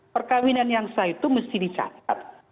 perkawinan yang sah itu mesti dicatat